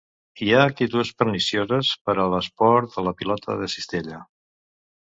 Hi ha actituds pernicioses per a l'esport de la pilota de cistella.